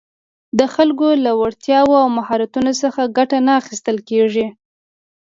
د خلکو له وړتیاوو او مهارتونو څخه ګټه نه اخیستل کېږي